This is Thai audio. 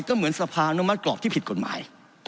ก็เหมือนสภาอนุมัติกรอบที่ผิดกฎหมาย